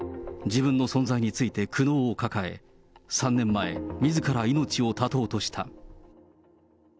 自分の存在について苦悩を抱え、３年前、みずから命を断とうとした。